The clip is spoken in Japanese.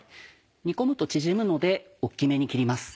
煮込むと縮むので大きめに切ります。